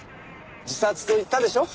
自殺と言ったでしょ。